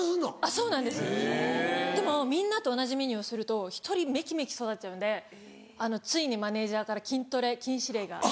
そうなんですでもみんなと同じメニューをすると１人めきめき育っちゃうんでついにマネジャーから筋トレ禁止令が。